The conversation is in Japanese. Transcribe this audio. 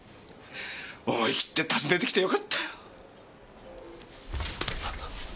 思い切って訪ねてきてよかったよ！